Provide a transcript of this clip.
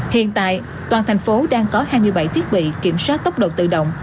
hiện tại toàn thành phố đang có hai mươi bảy thiết bị kiểm soát tốc độ tự động